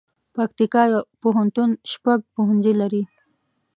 پکتیکا پوهنتون شپږ پوهنځي لري